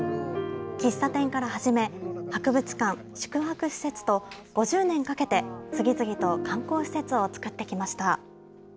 喫茶店から始め、博物館、宿泊施設と５０年かけて次々と観光施設を作ってきました。